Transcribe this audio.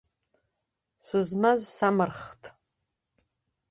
Сызмаз самырхт.